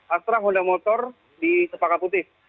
astrag honda motor di sepaka putih